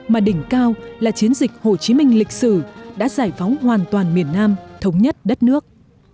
mà đỉnh cao là chiến dịch hồ chí minh lịch sử đã giải phóng hoàn toàn miền nam thống nhất đất nước